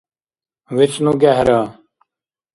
вецӀну гехӀра